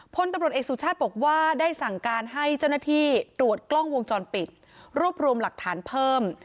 พลตำรวจเอกสุชาติบอกว่าได้สั่งการให้เจ้าหน้าที่ตรวจกล้องวงจรปิดรวบรวมหลักฐานเพิ่ม